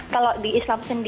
kalau di islam